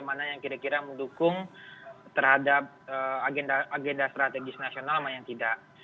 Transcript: mana yang kira kira mendukung terhadap agenda strategis nasional mana yang tidak